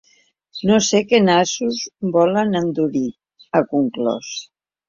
No sé què nassos volen endurir, ha conclòs.